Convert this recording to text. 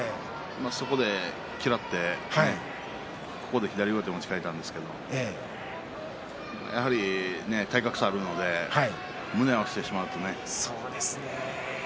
そこを嫌って左上手に持ち替えたんですがやはり体格差があるので胸を合わせてしまうと。